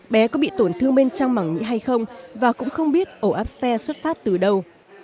bé có bị tổn thương bên trong mẳng nhị hay không và cũng không biết ổ áp xe xuất phát từ đâu